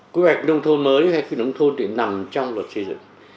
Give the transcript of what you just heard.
quy hoạch đông thôn mới hay quy hoạch đông thôn thì nằm trong luật xây dựng